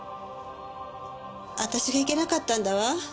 私がいけなかったんだわ。